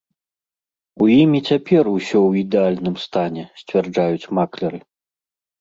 У ім і цяпер усё ў ідэальным стане, сцвярджаюць маклеры.